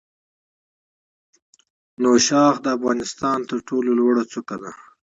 نوشاخ د افغانستان تر ټولو لوړه څوکه ده.